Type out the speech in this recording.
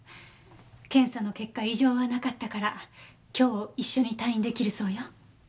検査の結果異常はなかったから今日一緒に退院出来るそうよ。